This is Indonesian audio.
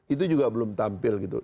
itu juga belum tampil gitu